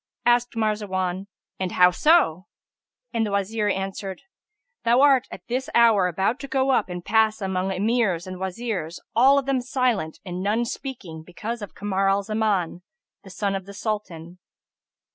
Asked Marzawan, And how so?"; and the Wazir answered, "Thou art at this hour about to go up and pass among Emirs and Wazirs all of them silent and none speaking, because of Kamar al Zaman the son of the Sultan."